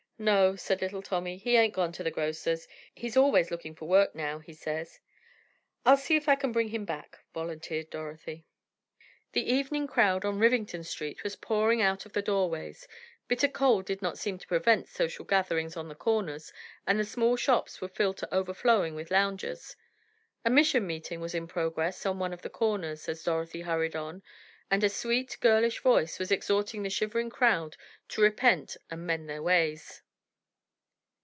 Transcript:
"No," said little Tommy, "he ain't gone to the grocer's, he's always looking for work now, he says." "I'll see if I can bring him back," volunteered Dorothy. The evening crowd on Rivington Street was pouring out of the doorways, bitter cold did not seem to prevent social gatherings on the corners, and the small shops were filled to overflowing with loungers. A mission meeting was in progress on one of the corners, as Dorothy hurried on, and a sweet, girlish voice was exhorting the shivering crowd to repent and mend their ways.